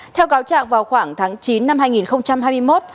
theo cáo trạng vào khoảng tháng chín năm hai nghìn hai mươi một